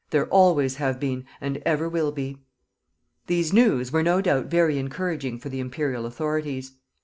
There always have been and ever will be. These news were no doubt very encouraging for the Imperial authorities.